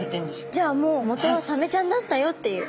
じゃあもう元はサメちゃんだったよっていう。